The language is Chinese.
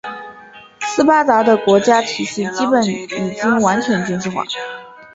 斯巴达的国家体系基本上已完全军事化。